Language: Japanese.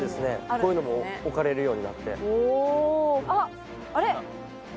こういうのも置かれるようになってあっあれ！